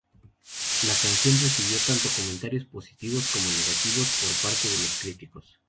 La canción recibió tanto comentarios positivos como negativos por parte de los críticos.